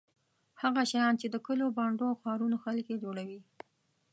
هغه شیان چې د کلیو بانډو او ښارونو خلک یې جوړوي.